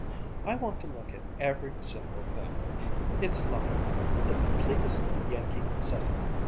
I want to look at every single thing. It's lovely the completest Yankee setting!